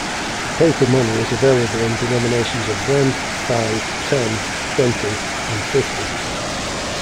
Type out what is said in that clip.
The paper money is available in denominations of one, five, ten, twenty, and fifty.